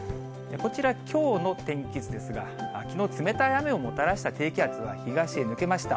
こちら、きょうの天気図ですが、きのう、冷たい雨をもたらした低気圧は東へ抜けました。